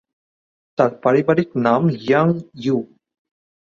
তার পারিবারিক নাম ইয়াং ইউ।